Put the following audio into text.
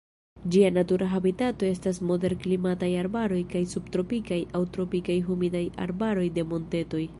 Ĝia natura habitato estas moderklimataj arbaroj kaj subtropikaj aŭ tropikaj humidaj arbaroj de montetoj.